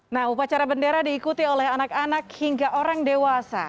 nah upacara bendera diikuti oleh anak anak hingga orang dewasa